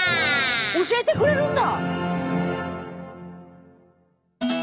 教えてくれるんだ！